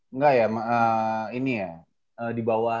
enggak ya ini ya